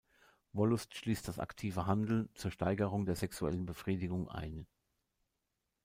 Wollust schließt das aktive Handeln zur Steigerung der sexuellen Befriedigung ein.